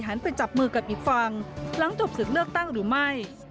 ไปจับมือกับอีกฝั่งหลังถูกศึกเลือกตั้งหรือไม่